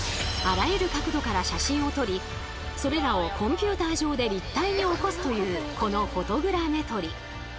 あらゆる角度から写真を撮りそれらをコンピューター上で立体に起こすというこのフォトグラメトリ。